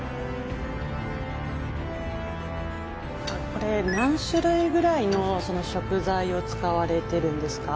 これ何種類ぐらいの食材を使われてるんですか？